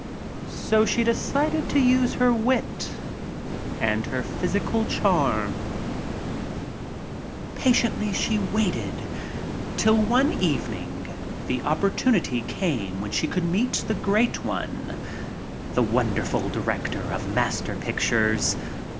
So she decided to use her wit — and her Patiently she waited till one evening the op portunity came when she could meet the Great One — the wonderful director of master pictures.